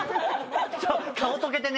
顔とけてね？